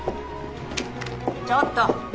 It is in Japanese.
ちょっと。